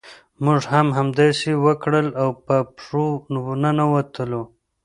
موږ هم همداسې وکړل او په پښو ننوتلو.